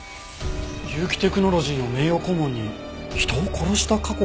結城テクノロジーの名誉顧問に人を殺した過去があったって事？